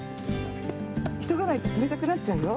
いそがないとつめたくなっちゃうよ。